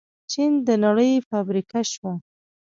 چین د نړۍ فابریکه شوه.